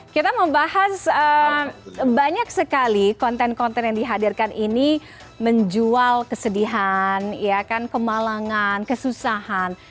kita membahas banyak sekali konten konten yang dihadirkan ini menjual kesedihan kemalangan kesusahan